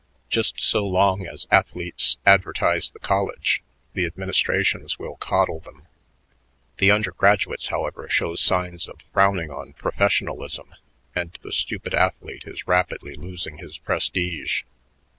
Just so long as athletes advertise the college, the administrations will coddle them. The undergraduates, however, show signs of frowning on professionalism, and the stupid athlete is rapidly losing his prestige.